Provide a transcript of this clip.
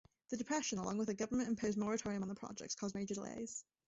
The Depression, along with a government-imposed moratorium on the project, caused major delays.